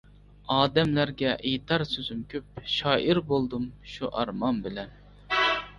ئادەملەرگە ئېيتار سۆزۈم كۆپ، شائىر بولدۇم شۇ ئارمان بىلەن.